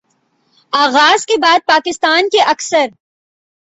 آغاز کے بعد پاکستان کے اکثر